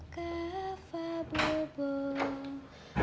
kalau tidak ngebubung